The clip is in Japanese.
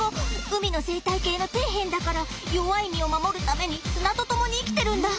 海の生態系の底辺だから弱い身を守るために砂と共に生きてるんだ。